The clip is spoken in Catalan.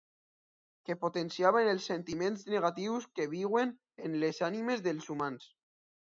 Que potenciaven els sentiments negatius que viuen en les ànimes dels humans.